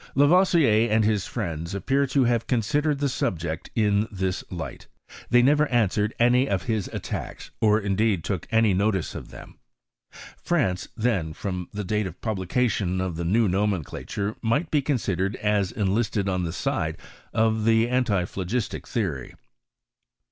Lavoisier and his friends appear to have considered the subject in this light: they never answered any of his attacks, or indeed took any no~ tice of them. France, then, from thedateof the pub lication of the new nomenclature, might be considered as enlisted on the side of the antiphlogistic theory.